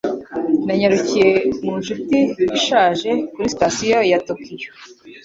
Nanyarukiye mu nshuti ishaje kuri Sitasiyo ya Tokiyo.